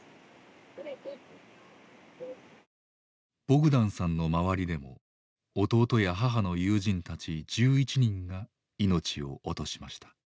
ボグダンさんの周りでも弟や母の友人たち１１人が命を落としました。